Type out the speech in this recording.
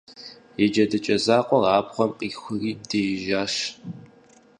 И джэдыкӀэ закъуэр абгъуэм къихури диижащ.